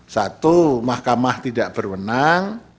satu mahkamah tidak berwenang